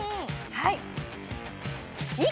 はい。